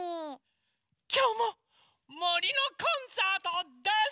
きょうも「もりのコンサート」です。